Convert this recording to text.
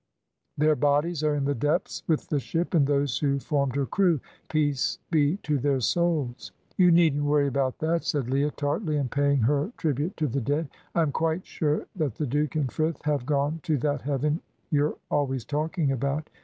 "Their bodies are in the depths with the ship and those who formed her crew. Peace be to their souls!" "You needn't worry about that," said Leah, tartly, and paying her tribute to the dead. "I am quite sure that the Duke and Frith have gone to that heaven you're always talking about.